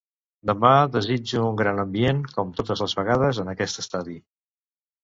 Demà desitjo un gran ambient, com totes les vegades en aquest estadi.